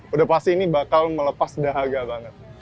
udah pasti ini bakal melepas dahaga banget